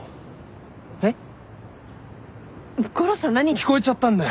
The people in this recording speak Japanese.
聞こえちゃったんだよ